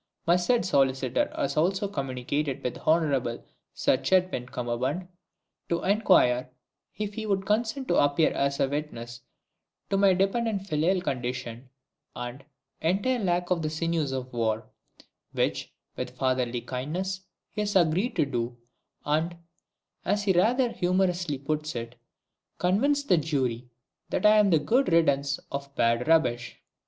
My said solicitor has also communicated with Hon'ble Sir CHETWYND CUMMERBUND, to inquire if he would consent to appear as a witness to my dependent filial condition, and entire lack of the sinews of war; which, with fatherly kindness, he has agreed to do, and, as he rather humorously puts it, convince the jury that I am the good riddance of bad rubbish.